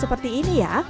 seperti ini ya